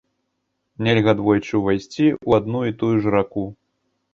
Нельга двойчы ўвайсці ў адну і тую ж раку.